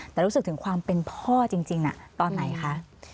แต่รู้สึกถึงความเป็นพ่อจริงตอนไหนคะ